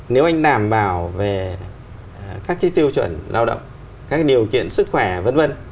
nếu anh đảm bảo về các tiêu chuẩn lao động các điều kiện sức khỏe v v